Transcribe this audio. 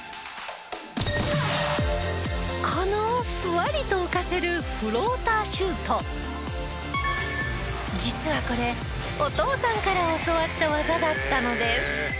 このふわりと浮かせる実はこれお父さんから教わった技だったのです。